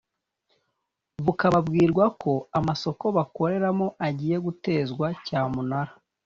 bukababwirwa ko amasoko bakoreragamo agiye gutezwa cyamunara